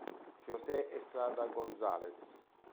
José Estrada González